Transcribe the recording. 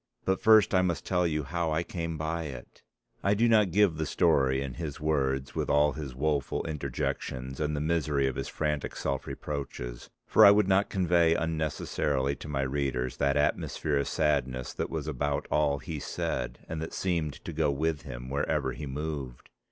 But first I must tell you how I came by it." I do not give the story in his words with all his woeful interjections and the misery of his frantic self reproaches for I would not convey unnecessarily to my readers that atmosphere of sadness that was about all he said and that seemed to go with him where ever he moved.